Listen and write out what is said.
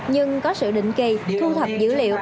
nhưng có sự định kỳ thu thập dữ liệu